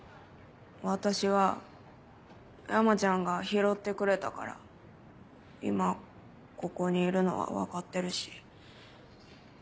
私は山ちゃんが拾ってくれたから今ここにいるのは分かってるし。